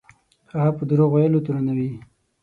هغه په دروغ ویلو تورنوي.